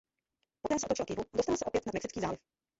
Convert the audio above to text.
Poté se otočila k jihu a dostala se opět nad Mexický záliv.